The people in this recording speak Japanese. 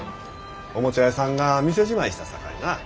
おもちゃ屋さんが店じまいしたさかいな。